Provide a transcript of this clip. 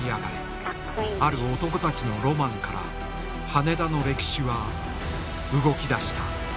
ある男たちのロマンから羽田の歴史は動きだした。